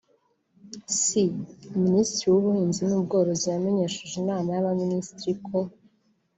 c) Minisitiri w’Ubuhinzi n’Ubworozi yamenyesheje Inama y’Abaminisitiri ko